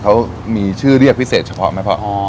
เขามีชื่อเรียกพิเศษเฉพาะไหมพ่อ